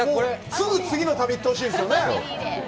すぐ次の旅に行ってほしいですよね。